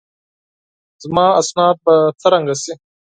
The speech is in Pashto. زما اسناد به څرنګه شي؟